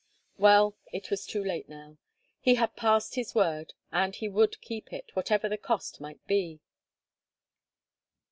Well, it was too late now. He had passed his word, and he would keep it, whatever the cost might be.